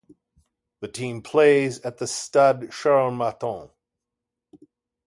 The team plays at the Stade Charles-Mathon.